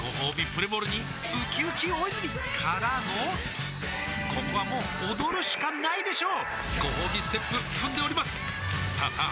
プレモルにうきうき大泉からのここはもう踊るしかないでしょうごほうびステップ踏んでおりますさあさあ